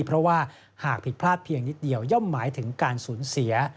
เพราะว่าหากผิดพลาดเพียงนิดเดียวย่อมหมายถึงการสูญเสีย